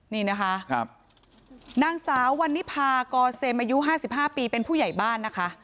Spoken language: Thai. นี่นะคะนางสาววันนิพากอเซมอายุ๕๕ปีเป็นผู้ใหญ่บ้านนะคะ